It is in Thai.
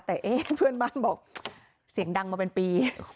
แต่เอ๊ะเพื่อนบ้านบอกเสียงดังมาเป็นปี